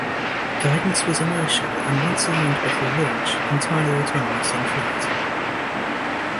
Guidance was inertial and once aligned before launch, entirely autonomous in flight.